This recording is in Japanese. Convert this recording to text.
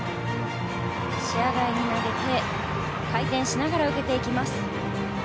視野外に投げて回転しながら受けていきます。